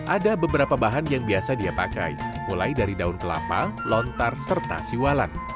ada beberapa bahan yang biasa dia pakai mulai dari daun kelapa lontar serta siwalan